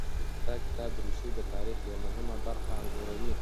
دا کتاب د روسیې د تاریخ یوه مهمه برخه انځوروي.